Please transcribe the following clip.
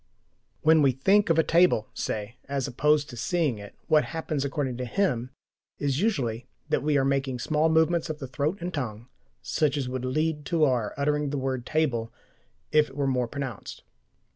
When we "think" of a table (say), as opposed to seeing it, what happens, according to him, is usually that we are making small movements of the throat and tongue such as would lead to our uttering the word "table" if they were more pronounced.